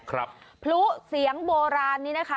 ครับพลุเสียงโบราณนี่นะคะ